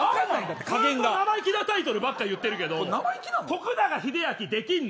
ずっと生意気なタイトルばっかり言ってるけど徳永英明できんの。